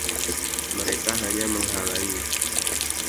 Mereka hanya menghalangi.